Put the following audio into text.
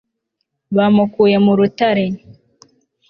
bamukuye mu rutare